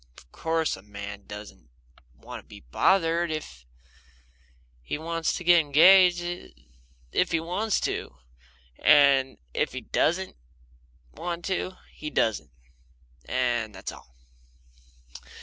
Of course a man doesn't want to be bothered if he wants to get engaged he wants to, and if he doesn't want to he doesn't, and that's all.